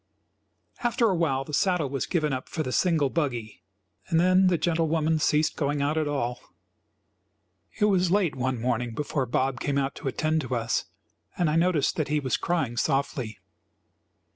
After awhile the saddle was given up for the single buggy, and then the gentle woman ceased going out at all. It was late one morning before Bob came out to attend to us, and I noticed that he was crying softly.